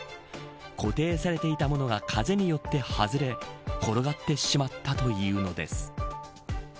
固定されていたものが風によって外れ転がってしまったというのです。